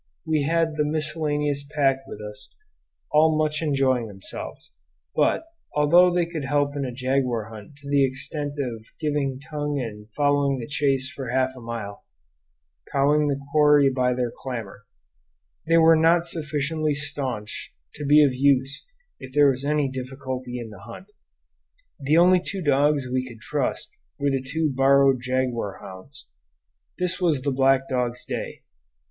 We had the miscellaneous pack with us, all much enjoying themselves; but, although they could help in a jaguar hunt to the extent of giving tongue and following the chase for half a mile, cowing the quarry by their clamor, they were not sufficiently stanch to be of use if there was any difficulty in the hunt. The only two dogs we could trust were the two borrowed jaguar hounds. This was the black dog's day.